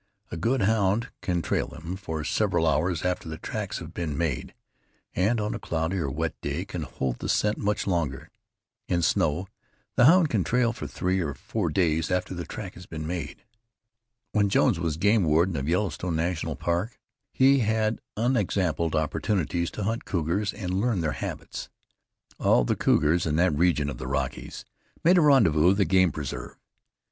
A good hound can trail them for several hours after the tracks have been made, and on a cloudy or wet day can hold the scent much longer. In snow the hound can trail for three or four days after the track has been made. When Jones was game warden of the Yellowstone National Park, he had unexampled opportunities to hunt cougars and learn their habits. All the cougars in that region of the Rockies made a rendezvous of the game preserve.